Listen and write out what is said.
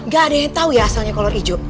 gak ada yang tahu ya asalnya kolor hijau